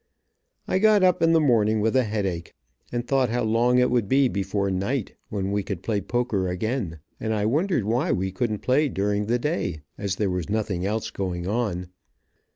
I got up in the morning with a headache, and thought how long it would be before night, when we could play poker again, and I wondered why we couldn't play during the day, as there was nothing else going on.